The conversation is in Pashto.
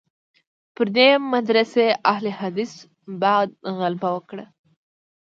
پر دې مدرسې اهل حدیثي بعد غلبه وکړه.